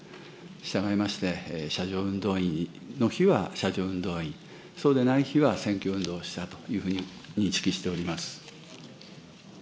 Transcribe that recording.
したがいまして、車上運動員の日は車上運動員、そうでない日は選挙運動したというふうに認識しております。